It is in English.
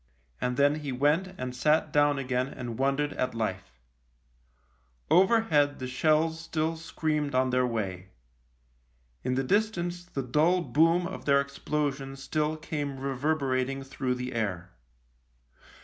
And then he went and sat down again and wondered at life. Overhead the shells still screamed THE LIEUTENANT 37 on their way. In the distance the dull boom of their explosion still came reverberating through the air.